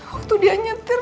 waktu dia nyetir